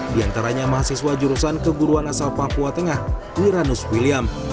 di antaranya mahasiswa jurusan keguruan asal papua tengah wiranus william